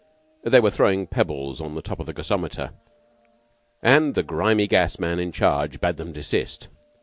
They were throwing pebbles on the top of the gasometer, and the grimy gas man in charge bade them desist.